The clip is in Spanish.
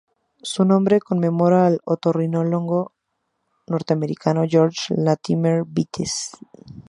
Su nombre conmemora al ornitólogo norteamericano George Latimer Bates.